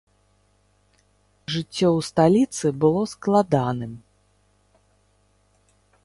Жыццё ў сталіцы было складаным.